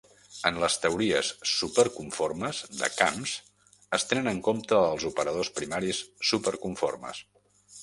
En les teories superconformes de camps, es tenen en compte els operadors primaris superconformes.